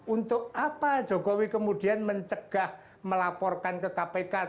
untuk apa jokowi kemudian mencegah melaporkan ke kpk